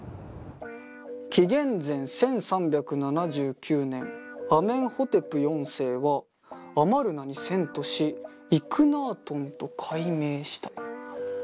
「紀元前１３７９年アメンホテプ４世はアマルナに遷都しイクナートンと改名した」。